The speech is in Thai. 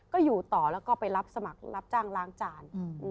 ก็อยู่ต่อแล้วก็ไปรับสมัครรับจ้างล้างจาน